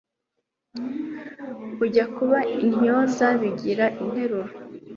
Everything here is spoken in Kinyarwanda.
Ujya kuba intyoza bigira interuro